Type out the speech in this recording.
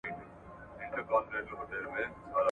د جمهورو فقهاوو رايه داده، چي د مُکرَه طلاق نه واقع کيږي.